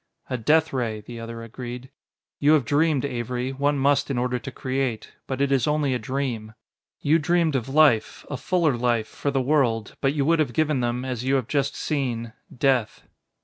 "A death ray," the other agreed. "You have dreamed, Avery one must in order to create but it is only a dream. You dreamed of life a fuller life for the world, but you would have given them, as you have just seen, death."